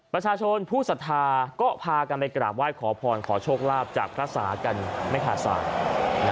ประชาชนผู้สัทธาก็พากันไปกราบไหว้ขอพรขอโชคลาภจากพระสากันไม่ขาดสาย